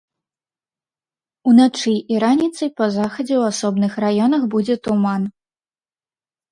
Уначы і раніцай па захадзе ў асобных раёнах будзе туман.